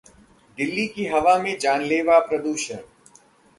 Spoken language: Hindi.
दिल्ली की हवा में 'जानलेवा' प्रदूषण